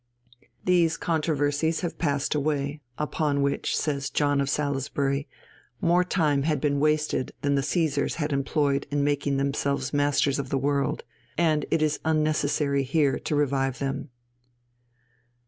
These controversies have passed away, upon which, says John of Salisbury, more time had been wasted than the Caesars had employed in making themselves masters of the world; and it is unnecessary here to revive them.